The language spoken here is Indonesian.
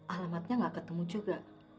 alamatnya enggak ketemu juga